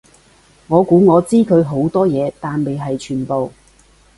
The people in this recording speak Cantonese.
我估我知佢好多嘢，但未係全部